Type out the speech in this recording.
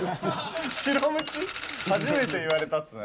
初めて言われたっすね